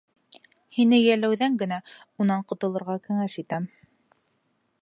Һине йәлләүҙән генә унан ҡотолорға кәңәш итәм.